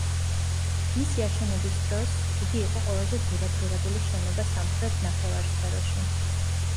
მისი აშენების დროს, იგი იყო ყველაზე ძვირადღირებული შენობა სამხრეთ ნახევარსფეროში.